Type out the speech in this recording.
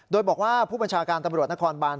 โดยบอกว่าผู้บัญชาการตำรวจนครบาน